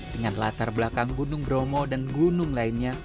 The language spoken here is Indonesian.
dengan latar belakang gunung bromo dan gunung lainnya